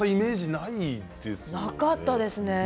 なかったですね。